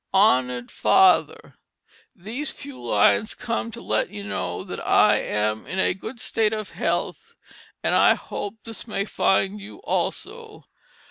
"HONORED FETHAR, "These fiew Lines comes to let you know that I am in a good State of Health and I hope this may find you also.